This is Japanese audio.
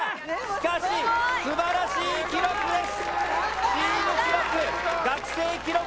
しかしすばらしい記録です！